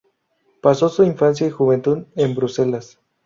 Pasó su infancia y juventud en Bruselas.